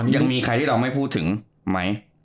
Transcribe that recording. ยังมีใครที่เราไม่พูดถึงไหม